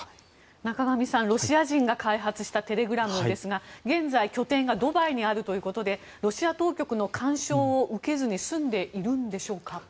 仲上さん、ロシア人が開発したテレグラムですが現在、拠点がドバイにあるということでロシア当局の干渉を受けずに済んでいるんでしょうか。